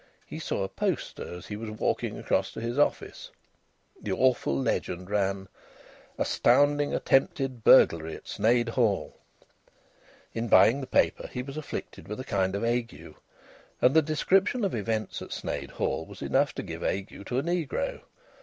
He saw a poster as he was walking across to his office. The awful legend ran: ASTOUNDING ATTEMPTED BURGLARY AT SNEYD HALL. In buying the paper he was afflicted with a kind of ague. And the description of events at Sneyd Hall was enough to give ague to a negro.